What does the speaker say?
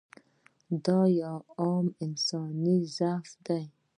دا یو عام انساني ضعف دی.